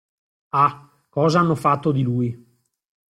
Ah, cosa hanno fatto di lui!